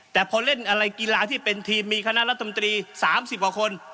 แต่พอเล่นอะไรกีฬาที่เป็นทีมมีคณะรัฐมนตรี๓๐กว่าคน